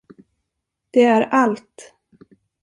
Det är allt!